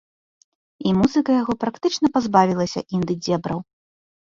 І музыка яго практычна пазбавілася інды-дзебраў.